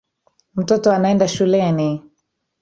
Mtoto anaenda shuleni.